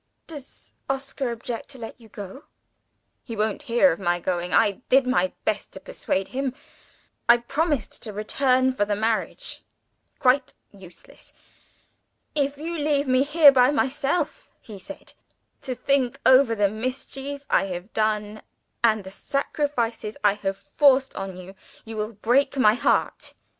"Does Oscar object to let you go?" "He won't hear of my going. I did my best to persuade him I promised to return for the marriage. Quite useless! 'If you leave me here by myself,' he said, 'to think over the mischief I have done, and the sacrifices I have forced on you you will break my heart.